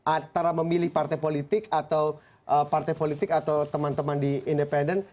antara memilih partai politik atau teman teman di independen